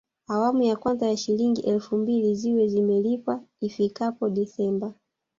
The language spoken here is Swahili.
Awamu ya kwanza ya Shilingi elfu mbili ziwe zimelipwa ifikapo Disemba